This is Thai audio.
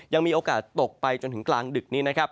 ยังมีโอกาสตกไปจนถึงกลางดึกนี้